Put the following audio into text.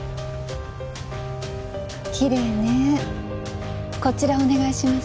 キレイねこちらをお願いします